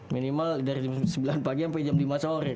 minimal dari jam sembilan pagi sampai jam lima sore